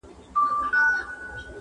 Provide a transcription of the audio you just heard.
د هر ښار په جنایت کي به شامل وو٫